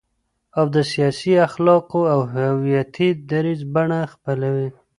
او د سیاسي، اخلاقي او هویتي دریځ بڼه خپلوي،